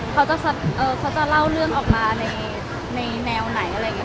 เขาจะเล่าเรื่องออกมาในแนวไหนอะไรอย่างนี้